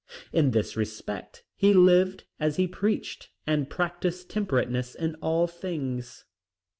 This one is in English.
In this respect he lived as he preached and practiced temperateness in all things.